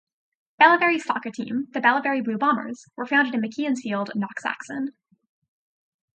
Bellavary's soccer team, the Bellavary Blue Bombers, were founded in McKeown's Field Knocksaxon.